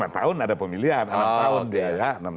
lima tahun ada pemilihan